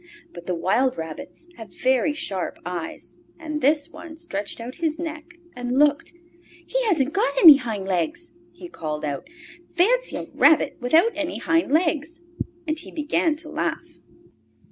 But the wild rabbits have very sharp eyes. And this one stretched out his neck and looked. "He hasn't got any hind legs!" he called out. "Fancy a rabbit without any hind legs!" And he began to laugh.